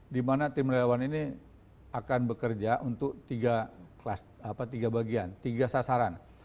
di mana tim relawan ini akan bekerja untuk tiga bagian tiga sasaran